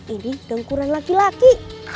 ini dengkuran laki laki